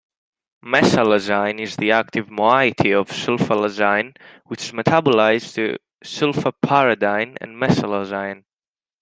Mesalazine is the active moiety of sulfasalazine, which is metabolized to sulfapyridine and mesalazine.